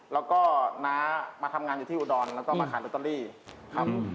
แล้วก็น้ามาทำงานอยู่ที่อุดรแล้วก็มาขายลอตเตอรี่ครับ